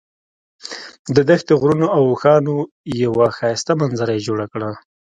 د دښتې، غرونو او اوښانو یوه ښایسته منظره یې جوړه کړه.